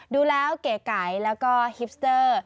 ดูแล้วเก๋ไก่แล้วก็ฮิปสเตอร์